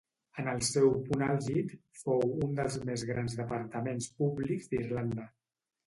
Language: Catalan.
En el seu punt àlgid fou un dels més grans departaments públics d'Irlanda.